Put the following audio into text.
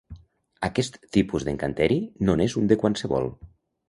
Aquest tipus d'encanteri, no n’és un de qualsevol.